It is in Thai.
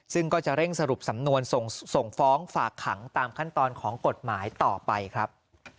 ซึ่งก็จะเร่งสรุปสำนวนส่งฟ้องฝากขังตามขั้นตอนของกฎหมายต่อไปครับ